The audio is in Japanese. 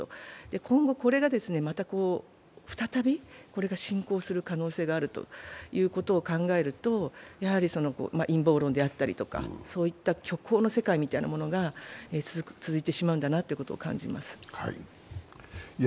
今後これがまた再び進行する可能性があるということを考えるとやはり陰謀論であったりとか、そういった虚構の世界みたいなのが続いてしまうんだろうなと思います。